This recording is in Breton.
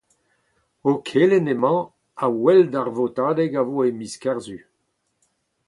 O kelenn emañ a-wel d'ar votadeg a vo e miz Kerzu.